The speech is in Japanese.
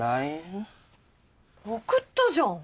送ったじゃん。